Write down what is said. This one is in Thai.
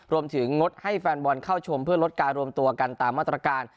งงดให้แฟนบอลเข้าชมเพื่อลดการรวมตัวกันตามมาตรการ